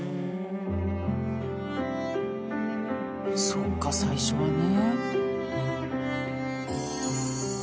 そっか最初はね。